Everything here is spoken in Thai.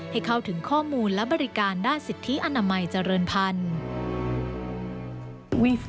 ให้เข้าถึงข้อมูลและบริการด้านสิทธิอนามัยเจริญพันธุ์